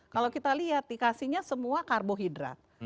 kalau kita lihat dikasihnya semua karbohidrat